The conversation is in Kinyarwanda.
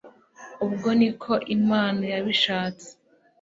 ubwo niko imana yabishatse